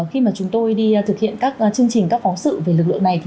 khi chúng tôi thực hiện các chương trình các phóng sự về lực lượng này